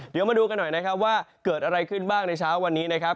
เดี๋ยวมาดูกันหน่อยนะครับว่าเกิดอะไรขึ้นบ้างในเช้าวันนี้นะครับ